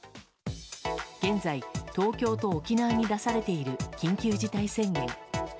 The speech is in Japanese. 現在、東京と沖縄に出されている緊急事態宣言。